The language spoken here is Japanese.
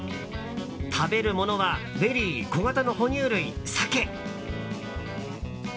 食べるものはベリー、小型の哺乳類、サケ。